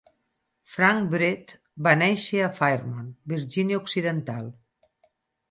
Frank Breth va néixer a Fairmont, Virgínia Occidental.